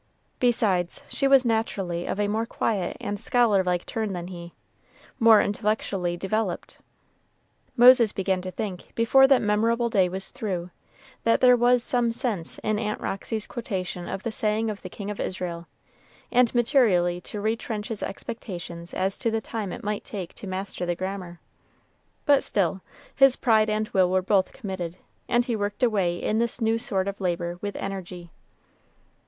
Besides, she was naturally of a more quiet and scholar like turn than he, more intellectually developed. Moses began to think, before that memorable day was through, that there was some sense in Aunt Roxy's quotation of the saying of the King of Israel, and materially to retrench his expectations as to the time it might take to master the grammar; but still, his pride and will were both committed, and he worked away in this new sort of labor with energy.